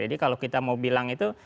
jadi kalau kita mau bilang itu